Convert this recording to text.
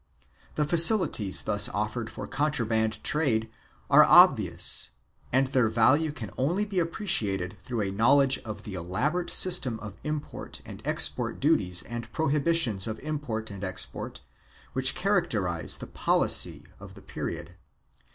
2 The facilities thus offered for contraband trade are obvious and their value can only be appreciated through a knowledge of the elaborate system of import and export duties and pro hibitions of import and export which characterize the policy of the period.